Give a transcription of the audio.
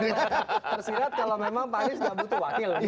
tersirat kalau memang pak anies tidak butuh wakil